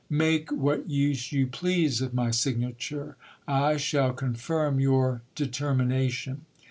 Make what use you please of my signa ture. I shall confirm your determination.